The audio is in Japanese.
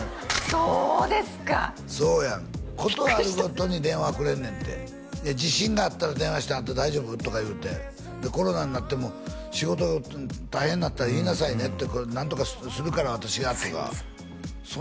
そうですかそうやんビックリした事あるごとに電話くれんねんて地震があったら電話して「アンタ大丈夫？」とか言うてコロナになっても「仕事大変になったら言いなさいね」って「何とかするから私が」とかすいません